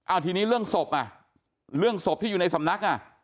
เอาทีนี้เรื่องศพอ่ะเรื่องศพที่อยู่ในสำนักอ่ะ